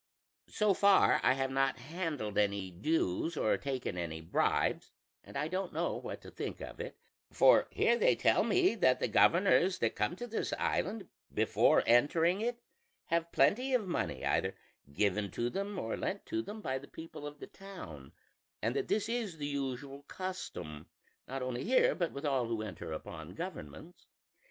"So far I have not handled any dues or taken any bribes, and I don't know what to think of it: for here they tell me that the governors that come to this island, before entering it, have plenty of money either given to them or lent to them by the people of the town; and that this is the usual custom, not only here but with all who enter upon governments.